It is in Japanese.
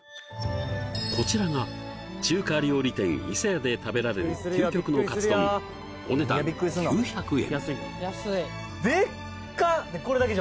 こちらが中華料理店伊勢屋で食べられる究極のカツ丼お値段９００円